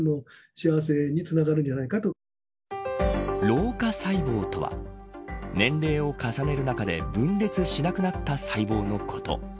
老化細胞とは年齢を重ねる中で分裂しなくなった細胞のこと。